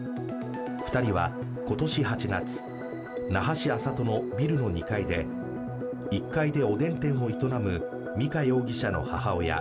２人は今年８月、那覇市安里のビルの２階で１階でおでん店を営む美香容疑者の母親